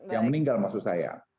yang meninggal maksud saya